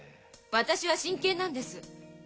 私は真剣なんです！